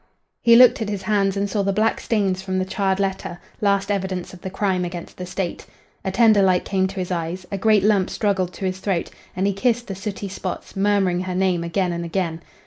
He looked at his hands and saw the black stains from the charred letter, last evidence of the crime against the state. A tender light came to his eyes, a great lump struggled to his throat, and he kissed the sooty spots, murmuring her name again and again.